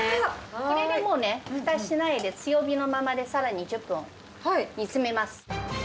これでもうね、ふたしないで強火のままでさらに１０分煮詰めます。